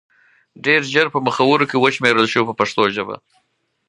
ډېر ژر په مخورو کې وشمېرل شو په پښتو ژبه.